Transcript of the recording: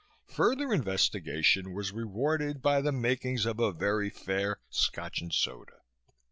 Further investigation was rewarded by the makings of a very fair Scotch and soda.